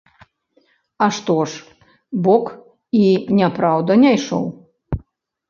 А што ж, бок, і няпраўда, не ішоў?